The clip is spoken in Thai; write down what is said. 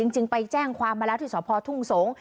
จริงไปแจ้งความมาแล้วที่สพทุ่งสงศ์